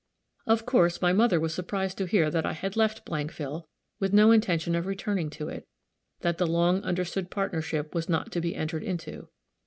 Of course my mother was surprised to hear that I had left Blankville, with no intention of returning to it; that the long understood partnership was not to be entered into.